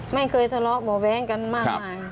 ไม่เคยทะเลาะบ่แว้งกันมาก